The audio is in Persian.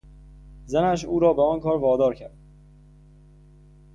زنش او را به آن کار وادار کرد!